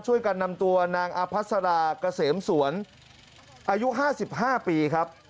ช่วยกันนำตัวนางอภัสราเกษมสวนอายุ๕๕ปีครับ